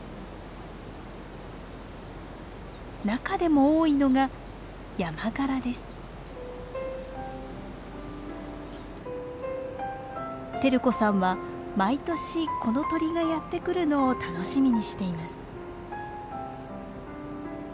中でも多いのが輝子さんは毎年この鳥がやって来るのを楽しみにしています。